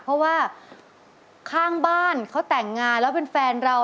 เพราะว่าข้างบ้านเขาแต่งงานแล้วเป็นแฟนเรา